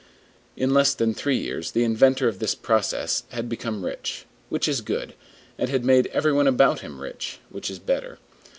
In less than three years the inventor of this process had become rich, which is good, and had made every one about him rich, which is better.